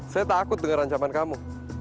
saya takut dengan ancaman kamu